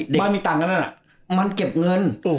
เด็กม๓มันเก็บเงิน